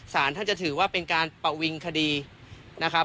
สารท่านจะถือว่าเป็นการประวิงคดีนะครับ